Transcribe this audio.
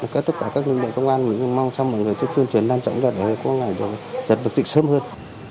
tất cả các lĩnh vực công an mình mong cho mọi người tuyên truyền lan trọng ra để quốc hội này giật dịch sớm hơn